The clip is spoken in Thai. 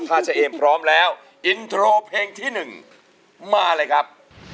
ถ้าเฉเอมพร้อมแล้วอินโทรเพลงที่๑มาเลยครับ